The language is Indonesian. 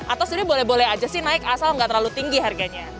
atau sebenarnya boleh boleh aja sih naik asal nggak terlalu tinggi harganya